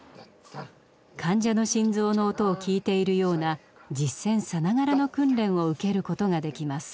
患者の心臓の音を聞いているような実践さながらの訓練を受けることができます。